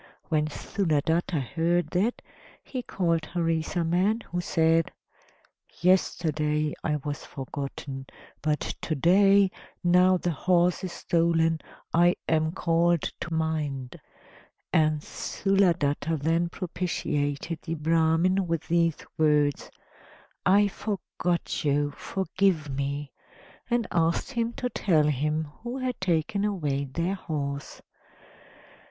When Sthuladatta heard that, he called Harisarman, who said, "Yesterday I was forgotten, but to day, now the horse is stolen, I am called to mind;" and Sthuladatta then propitiated the Brahman with these words: "I forgot you, forgive me," and asked him to tell him who had taken away their horse.